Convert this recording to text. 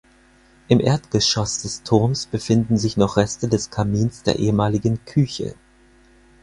Im Erdgeschoss des Turms befinden sich noch Reste des Kamins der ehemaligen Küche.